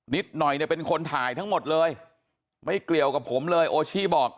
นิดหน่อยเป็นคนถ่ายทั้งหมดเลยไม่เกลียวกับผมเลยโอชี่บอก